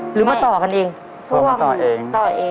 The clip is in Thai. หรือมาต่อกันเองพวกมาต่อเอง